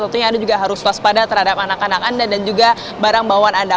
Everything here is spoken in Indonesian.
tentunya anda juga harus waspada terhadap anak anak anda dan juga barang bawaan anda